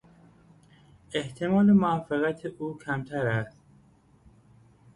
احتمال موفقیت او کمتر است.